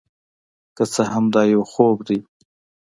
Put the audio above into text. که څه هم دا یو خوب دی،